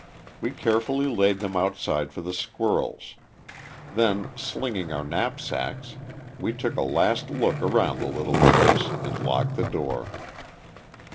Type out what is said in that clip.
We carefully laid them outside for the squirrels; then, slinging our knapsacks, we took a last look round the little place, and locked the door.